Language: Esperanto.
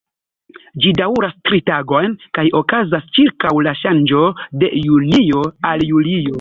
Ĝi daŭras tri tagojn kaj okazas ĉirkaŭ la ŝanĝo de junio al julio.